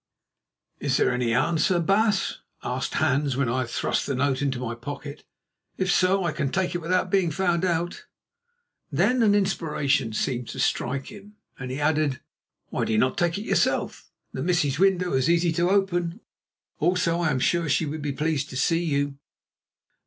"Is there any answer, baas?" asked Hans when I had thrust the note into my pocket. "If so I can take it without being found out." Then an inspiration seemed to strike him, and he added: "Why do you not take it yourself? The Missie's window is easy to open, also I am sure she would be pleased to see you."